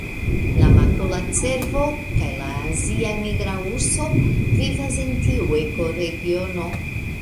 La makula cervo kaj la azia nigra urso vivas en tiu ekoregiono.